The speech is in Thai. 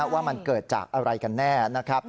ว่ามันเกิดจากอะไรกันแน่